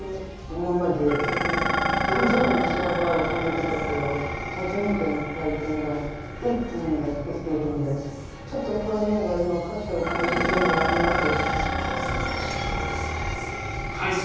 今まで何十年も白髪を染めてたけど初めての体験が一気にやって来ているんでちょっと不安のほうが今は勝ってるかなというのもあります。